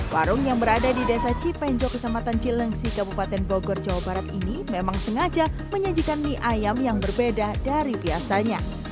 warung yang berada di desa cipenjo kecamatan cilengsi kabupaten bogor jawa barat ini memang sengaja menyajikan mie ayam yang berbeda dari biasanya